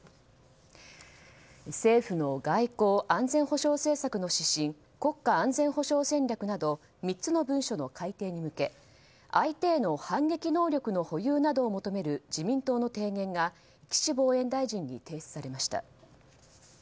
政府の外交・安全保障政策の指針国家安全保障戦略など３つの文書の改定に向け相手への反撃能力の保有などを求める自民党の提言が岸防衛大臣に提出されました。